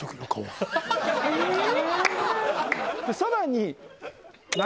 さらに。